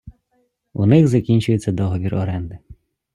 У них закінчується договір оренди.